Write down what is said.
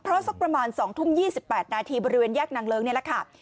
เพราะสักประมาณ๒ทุ่ม๒๘นาทีบริเวณแยกนางเลิ้งนี่แหละค่ะ